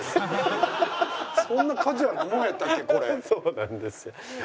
そうなんですよ。